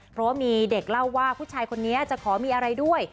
เพราะว่ามีเด็กเล่าว่าผู้ชายคนนี้จะขอมีอะไรด้วย